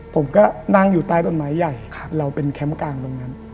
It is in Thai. ผมก็นั่งอยู่ใต้ต้นไม้ใหญ่เราเป็นแคมป์กลางตรงนั้น